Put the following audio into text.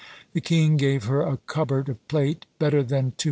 The king gave her a cupboard of plate, better than 200_l.